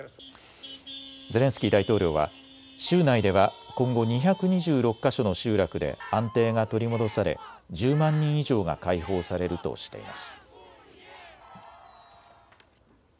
ゼレンスキー大統領は州内では今後、２２６か所の集落で安定が取り戻され１０万人以上が解放されるとしています。